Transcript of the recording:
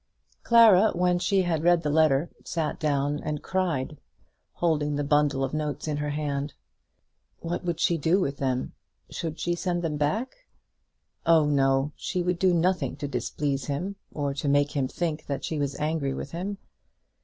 Clara, when she had read the letter, sat down and cried, holding the bundle of notes in her hand. What would she do with them? Should she send them back? Oh no; she would do nothing to displease him, or to make him think that she was angry with him.